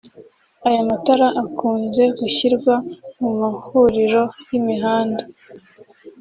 Aya matara akunze gushyirwa mu mahuriro y’imihanda